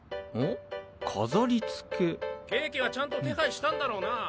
ケーキはちゃんと手配したんだろうな？